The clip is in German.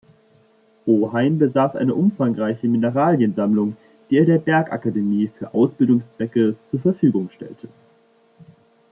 Ohain besaß eine umfangreiche Mineraliensammlung, die er der Bergakademie für Ausbildungszwecke zur Verfügung stellte.